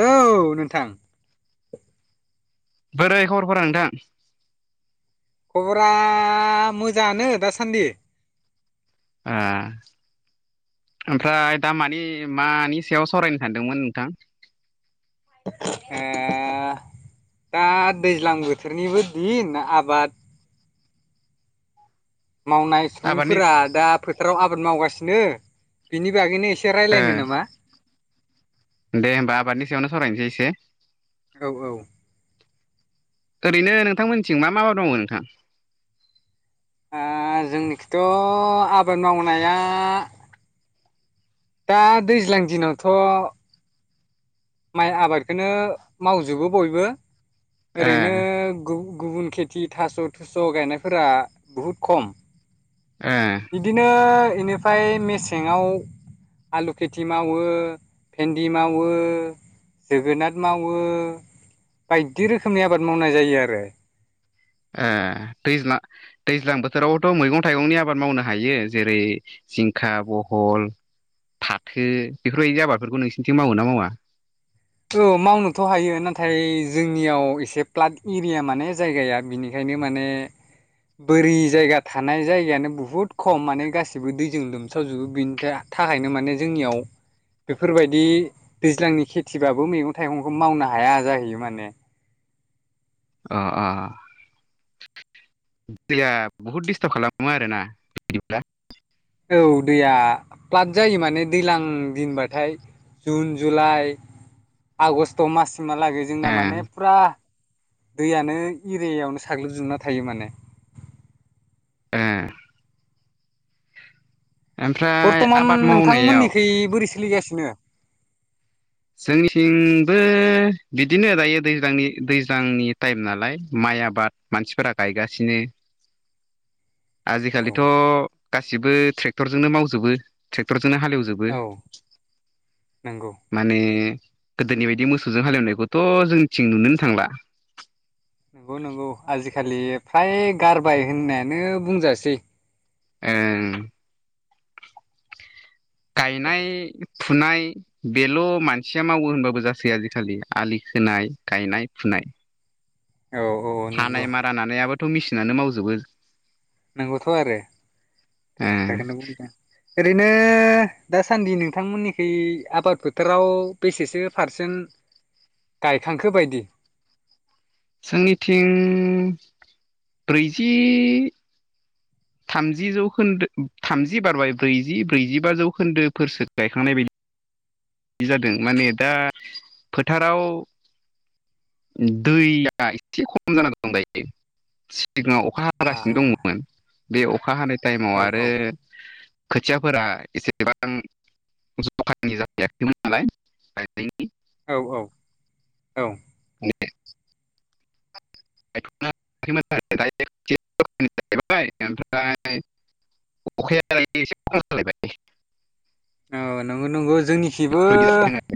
औ नोंथां। बोरै खबरफोरा नोंथां? खबरा मोजाङानो दासान्दि। ओ ओमफ्राय दा मानि मानि सायाव सावरायनो सानदोंमोन नोंथां। ओ दा दैज्लां बोथोरनिबो दिन आबाद मावनाय आबादनि सुबुंफोरा दा फोथाराव आबाद मावगासिनो बिनि बागैनो एसे ओ रायज्लायनो नामा। दे होनोमबा आबादनि सायावनो सावरायनोसै एसे। औ औ। ओरैनो नोंथांमोननिथिं मा मा आबाद मावो नोंथां? दा जोंनिखैथ' आबाद मावनाया दा दैज्लां दिनावथ' माइ आबादखौनो मावजोबो बयबो ओरैनो ओ गु गुबुन खेथि थास' थुस' गायनायफोरा बुहुद खम ओ बिदिनो बेनिफ्राय मेसेंआव आलु खेथि मावो भेन्दि मावो। जोगोनार मावो बायदि रोखोमनि आबाद मावनाय जायो आरो ए दैज्लां दैज्लां बोथोरावथ' मैगं थाइगंनि आबाद मावनो हायो जेरै जिंखा बहल फाथो बेफोरबायदि आबादफोरखौ नोंसिरनिथिं मावो ना मावा? औ मावनोथ' हायो नाथाय जोंनियाव एसे प्लाट एरिया माने जायगाया बेनिखायनो बिनो माने बोरि जायगा थानाय जायगायानो बुहुद खम माने गासिबो दैजों लोमसाव जोबो बेनि था थाखायनो माने जोंनियाव बेफोरबायदि दैज्लांनि खेथ थिबाबो मैगं थाइगंखौ मावनो हाया जाहैयो माने। अ अ दैया बहुद दिस्थाफ' खालामो आरोना बिदिब्ला? औ दैया प्लाट जायो माने दैज्लां दिनबाथाय जुन जुलाइ आगष्ट माससिमहालागै ओ जोंना माने फुरा दैयानो एरियायावनो साग्लोबजोबना थायो माने। ए ओमफ्राय बरथ'मान आबाद मावनायाव नोंथांमोननिखै बोरै सोलिगासिनो? जोंनिथिंबो बिदिनो दायो दैज्लांनि दैज्लांनि टाइम नालाय माइ माइ आबाद मानसिफोरा गायगासिनो। औ आजिखालिथ' गासिबो ट्रेक्टरजोंनो मावजोबो ट्रेक्टर जोंनो हालेवजोबो। औ नंगौ माने गोदोनि बायदि मोसौजों हालेवनायखौथ' जोंनिथिं नुनोनो थांला। नंगौ नंगौ आजिखालि फ्राय गारबाय होननायानो बुंजासै। ओं गायनाय फुनाय बेल' मानसिया मावो होनबाबो जासै आजिखालि आलि खोनाय गायनाय फु नाय। औ औ हानाय नंगौ मारा नानायाबोथ' मेसिनानो मावजोबो। नंगौथ' आरो ओ थार खोथाखौनो बुंदों। ओरैनो दासान्दि नोंथांमोननिखै आबाद फोथाराव बेसेसो पारसेन गायखांखो बायदि। जोंनिथिं ब्रैजि थामजि जौखोन्दो थामजि बारबाय ब्रैजि ब्रैजिबा जौखोन्दोफोरसो गायखांनाय बायदि। बिदि जादों माने दा फोथाराव दैया एसे खम जान दं दायो सिङाव अखा आ हागासिनो दंमोन बे अखा हानाय टाइमाव औ आरो औ खोथियाफोरा एसेबां जखानि जा जायाखैमोन नालाय औ औ औ। मे [unintelligible] अखायालाय एसे खम जालायबाय औ नंगौ नंगौ जोंनिखिबो बेफोरबायदि जादों आरो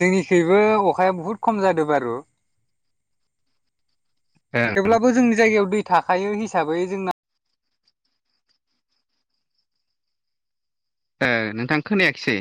जोंनिखैबो अखाया बहुत खम जादों बारु ओं ओ थेवब्लाबो जोंनि जायगायाव दै थाखायो हिसाबै जोंना ओ नोंथां खोनायाखिसै।